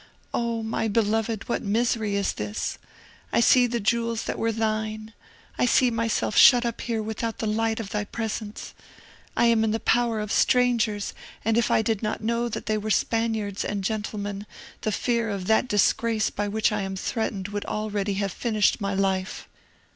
Oh! my beloved, what misery is this! I see the jewels that were thine. I see myself shut up here without the light of thy presence. I am in the power of strangers; and if I did not know that they were Spaniards and gentlemen, the fear of that disgrace by which I am threatened would already have finished my life."